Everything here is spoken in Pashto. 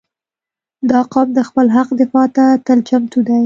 • دا قوم د خپل حق دفاع ته تل چمتو دی.